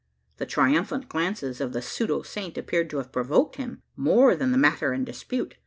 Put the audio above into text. The triumphant glances of the pseudo saint appeared to have provoked him, more than the matter in dispute.